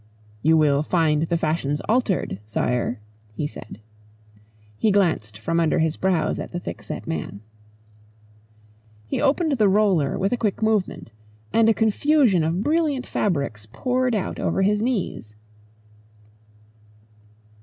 "You will find the fashions altered, Sire," he said. He glanced from under his brows at the thickset man. He opened the roller with a quick movement, and a confusion of brilliant fabrics poured out over his knees.